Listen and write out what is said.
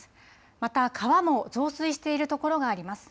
また、川も増水している所があります。